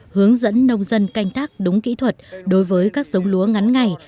hướng dẫn nông dân canh tác đúng kỹ thuật đối với các giống lúa ngắn ngày